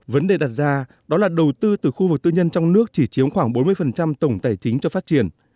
vấn đề đặt ra đó là đầu tư từ khu vực tư nhân trong nước chỉ chiếm khoảng bốn mươi tổng tài chính cho phát triển